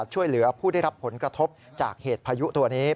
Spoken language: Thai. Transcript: ช่วยเหลือผู้ได้รับผลกระทบจากเหตุพายุตัวนี้